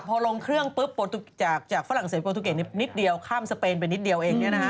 พอลงเครื่องปุ๊บจากฝรั่งเศสโปรตูเกตนิดเดียวข้ามสเปนไปนิดเดียวเอง